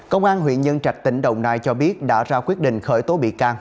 công an huyện nhân trạch tỉnh đồng nai cho biết đã ra quyết định khởi tố bị can